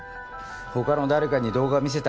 他の誰かに動画見せた？